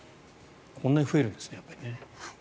こんなに増えるんですね。